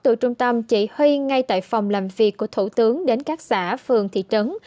từ trung tâm chỉ huy ngay tại phòng làm việc của thủ tướng đến các xã phường thị trấn